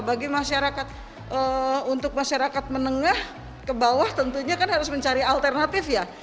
bagi masyarakat untuk masyarakat menengah ke bawah tentunya kan harus mencari alternatif ya